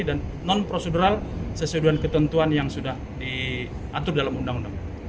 dan non prosedural sesuatu ketentuan yang sudah diatur dalam undang undang